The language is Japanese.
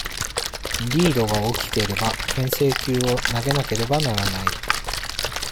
リードが大きければ、牽制球を投げなければならない。